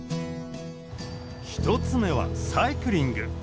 １つ目はサイクリング。